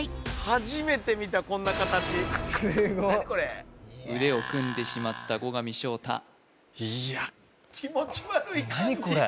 ・初めて見たこんな形腕を組んでしまった後上翔太いや何これ！？